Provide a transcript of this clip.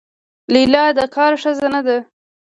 لیلا د کار ښځه نه ده.